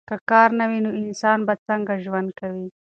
که کار نه وي نو انسان به څنګه ژوند کوي؟